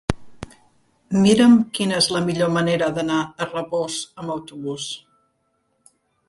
Mira'm quina és la millor manera d'anar a Rabós amb autobús.